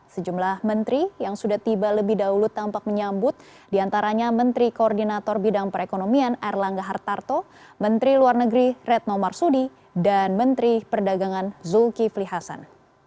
sejumlah menteri yang sudah tiba lebih dahulu tampak menyambut diantaranya menteri koordinator bidang perekonomian erlangga hartarto menteri luar negeri retno marsudi dan menteri perdagangan zulkifli hasan